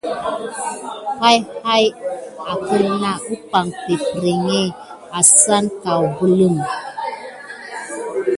Pay hayi va akelin na kubaye perpriké asane kubeline.